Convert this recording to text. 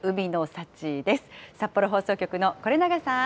札幌放送局の是永さん。